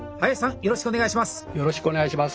よろしくお願いします。